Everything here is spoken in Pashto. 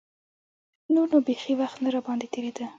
نور نو بيخي وخت نه راباندې تېرېده.